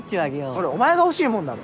それお前が欲しいもんだろ。